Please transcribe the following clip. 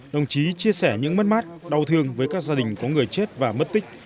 đồng chí chia sẻ những mất mát đau thương với các gia đình có người chết và mất tích